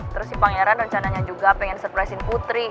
terus si pangeran rencananya juga pengen surpresin putri